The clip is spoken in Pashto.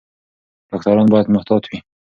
ډاکټران باید محتاط وي.